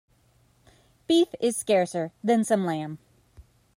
Beef is scarcer than some lamb.